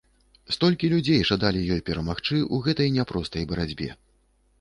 Столькі людзей жадалі ёй перамагчы ў гэтай няпростай барацьбе.